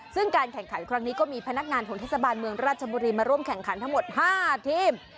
ซึ่งการแข่งขันครั้งนี้ก็มีพนักงานของเทศบาลเมืองราชบุรีมาร่วมแข่งขันทั้งหมด๕ทีม